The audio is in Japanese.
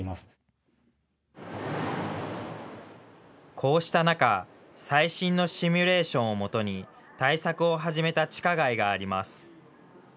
こうした中、最新のシミュレーションをもとに対策を始めた地下街があります。